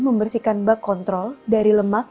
membersihkan bak kontrol dari lemak